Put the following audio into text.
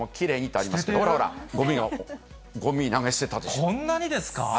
こんなにですか？